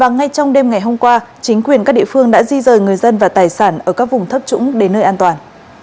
ngay trong đêm ngày hôm qua chính quyền các địa phương đã di rời người dân và tài sản ở các vùng thấp trũng đến nơi an toàn